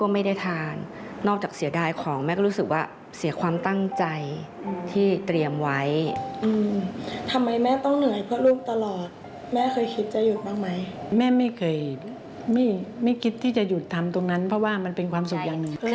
มีนน่าจะรู้คำตอบดีว่ากินบ่อยไม่บ่อย